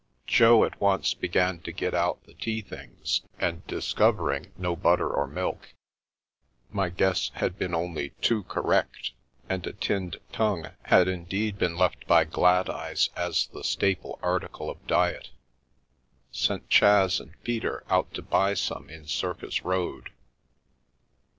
Jo at once began to get out the tea things, and discov ering no butter or milk (my guess had been only too Correct, and a tinned tongue had indeed been left bv The Milky Way Gladeyes as the staple article of diet), sent Chas and Peter out to buy some in Circus Road.